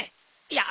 いや。